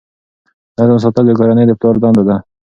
نظم ساتل د کورنۍ د پلار دنده ده.